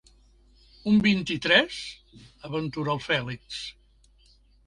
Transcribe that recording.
Un vint-i-tres? —aventura el Fèlix.